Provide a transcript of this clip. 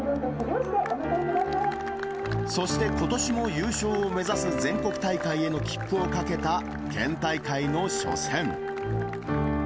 そしてことしも優勝を目指す全国大会への切符をかけた県大会の初戦。